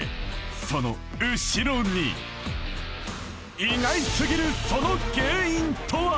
その後ろに意外すぎるその原因とは！？